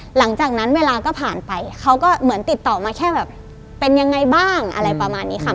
หลังจากนั้นเวลาก็ผ่านไปเขาก็เหมือนติดต่อมาแค่แบบเป็นยังไงบ้างอะไรประมาณนี้ค่ะ